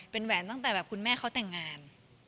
เป็นแหวนตั้งแต่แบบคุณแม่เขาแต่งงาน